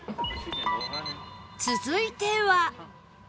続いては